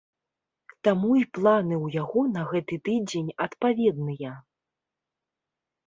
Таму і планы ў яго на гэты тыдзень адпаведныя.